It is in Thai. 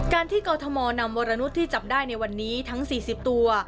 ที่กรทมนำวรนุษย์ที่จับได้ในวันนี้ทั้ง๔๐ตัว